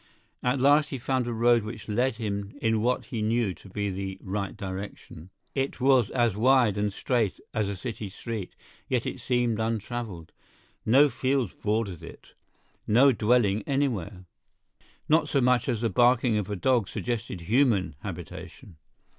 At last he found a road which led him in what he knew to be the right direction. It was as wide and straight as a city street, yet it seemed untraveled. No fields bordered it, no dwelling anywhere. Not so much as the barking of a dog suggested human habitation.